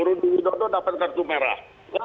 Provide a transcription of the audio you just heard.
rudy widodo dapat kartu merah